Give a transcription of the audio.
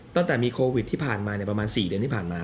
ตั้งแต่มีโควิดที่ผ่านมาประมาณ๔เดือนที่ผ่านมา